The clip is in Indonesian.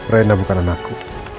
rena bukan anakku